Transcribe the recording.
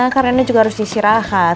karena ini juga harus di istirahat